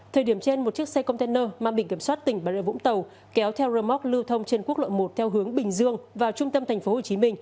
thời điểm trên một chiếc xe container mang bình kiểm soát tỉnh bà rê vũng tàu kéo theo rơ móc lưu thông trên quốc lộ một theo hướng bình dương vào trung tâm tp hcm